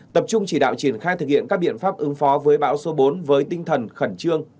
tập trung chỉ đạo triển khai thực hiện các biện pháp ứng phó với bão số bốn với tinh thần khẩn trương